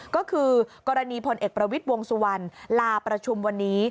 ก็คือกรณีพลเอกประวิทย์วงสุวรรณลาประชุมวันนี้